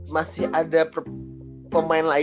masih ada pemain lainnya nih yo